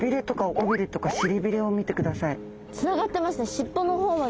尻尾の方まで。